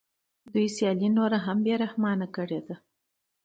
دوی سیالي نوره هم بې رحمانه کړې ده